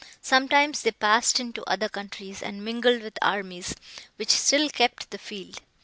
Sometimes they passed into other countries, and mingled with armies, which still kept the field.